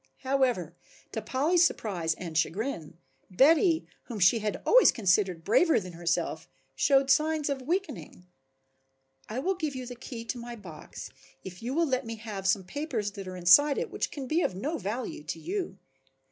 However, to Polly's surprise and chagrin, Betty, whom she had always considered braver than herself, showed signs of weakening. "I will give you the key to my box if you will let me have some papers that are inside it which can be of no value to you."